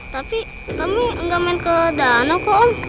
tapi kami gak main ke danau kok om